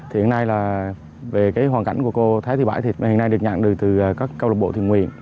thì hiện nay là về cái hoàn cảnh của cô thái thị bãi thì hiện nay được nhận được từ các câu lục bộ thường nguyện